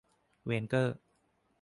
เวนเกอร์